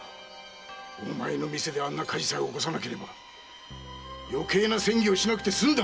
お前の店であんな火事さえ起こさなければ余計な詮議をしなくて済んだ！